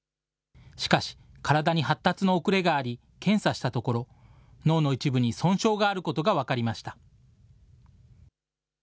しかし、体に発達の遅れがあり、検査したところ、脳の一部に損傷があることが分かりました。